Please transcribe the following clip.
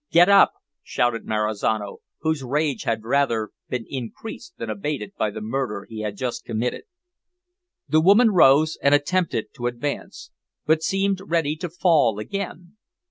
"Get up!" shouted Marizano, whose rage had rather been increased than abated by the murder he had just committed. The woman rose and attempted to advance, but seemed ready to fall again.